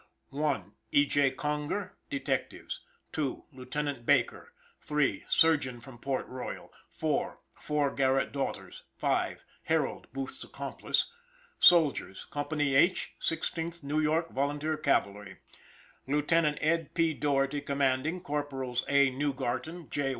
1. E. J. Conger, \ Detectives. 2. Lieut. Baker, / 3. Surgeon from Port Royal, 4. Four Garrett daughters. 5. Harold, Booth's accomplice, Soldiers. Company H, Sixteenth New York Volunteer Cavalry, Lieutenant Ed. P. Doherty commanding: Corporals A. Neugarten, J.